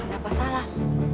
gak apa apa salah